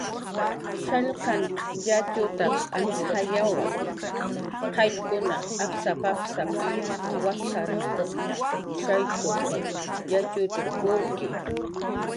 "Punan yatxutaq antz jayankiwa: qayllkunaq apsap"" apsap"" wasanw shaykutsan yatxutar purki."